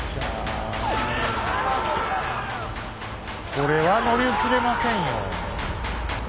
これは乗り移れませんよ。